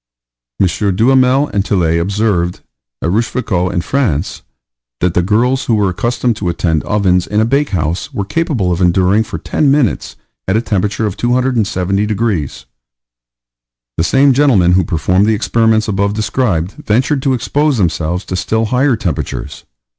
M. Duhamel and Tillet observed, at Rochefoucault in France, that the girls who were accustomed to attend ovens in a bakehouse, were capable of enduring for ten minutes a temperature of 270 degrees. The same gentleman who performed the experiments above described ventured to expose themselves to still higher temperatures.